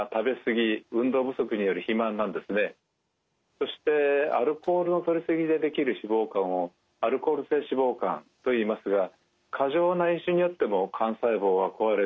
そしてアルコールのとり過ぎで出来る脂肪肝をアルコール性脂肪肝といいますが過剰な飲酒によっても肝細胞は壊れて線維化してしまうんですね。